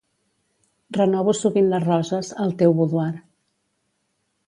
Renovo sovint les roses, al teu boudoir.